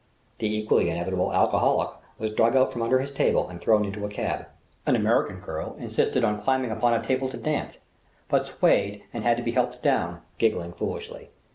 The equally inevitable alcoholic was dug out from under his table and thrown into a cab. An American girl insisted on climbing upon a table to dance, but swayed and had to be helped down, giggling foolishly.